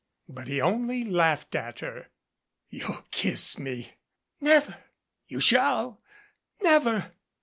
But he only laughed at her. "You'll kiss me " "Never !" "You shall " "Never